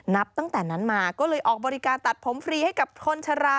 นับตั้งแต่นั้นมาก็เลยออกบริการตัดผมฟรีให้กับคนชะลา